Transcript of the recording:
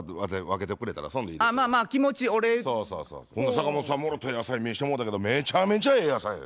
坂本さんもろた野菜見してもうたけどめちゃめちゃええ野菜で。